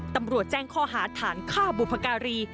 ตำรวจแจ้งข้อหาฐานฆ่าบุพการี